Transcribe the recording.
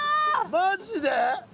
マジで？